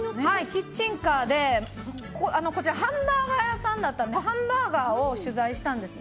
キッチンカーで、ここはハンバーガー屋さんなのでハンバーガーを取材したんです。